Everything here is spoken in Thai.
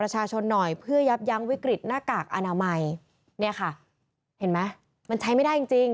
เห็นไหมมันใช้ไม่ได้จริงจริง